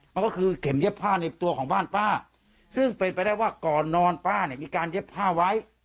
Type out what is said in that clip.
มันก็คือเข็มเย็บผ้าในตัวของบ้านป้าซึ่งเป็นไปได้ว่าก่อนนอนป้าเนี่ยมีการเย็บผ้าไว้